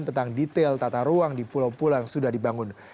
tentang detail tata ruang di pulau pulau yang sudah dibangun